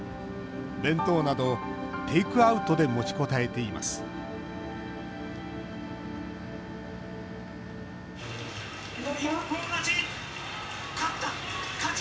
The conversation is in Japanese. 弁当など、テイクアウトで持ちこたえています一本勝ち！